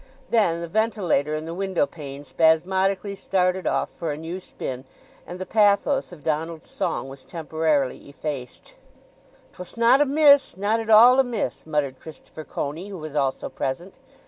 Then the ventilator in the window pane spasmodically started off for a new spin, and the pathos of Donald's song was temporarily effaced. "'Twas not amiss—not at all amiss!" muttered Christopher Coney, who was also present.